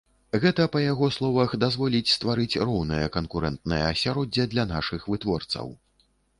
Гэта, па яго словах, дазволіць стварыць роўнае канкурэнтнае асяроддзе для нашых вытворцаў.